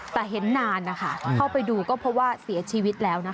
แต่เห็นนานนะคะเข้าไปดูก็เพราะว่าเสียชีวิตแล้วนะคะ